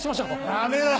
ダメだ！